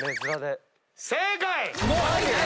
正解！